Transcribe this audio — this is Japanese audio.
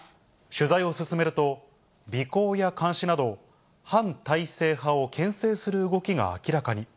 取材を進めると、尾行や監視など、反体制派をけん制する動きが明らかに。